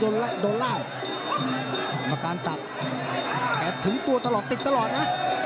มาการสัตว์แถมถึงตัวตลอดติดตลอดนะ